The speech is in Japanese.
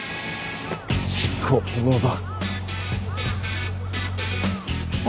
執行不能だ。